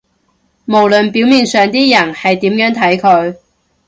無論表面上啲人係點樣睇佢